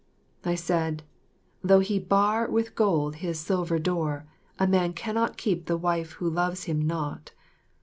I said, "Though he bar with gold his silver door," a man cannot keep the wife who loves him not.